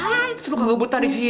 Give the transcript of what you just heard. pantes lu kaget buta disini